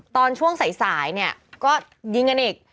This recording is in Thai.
ตอนช่วงสายเนี่ยก็ยิงกันอีก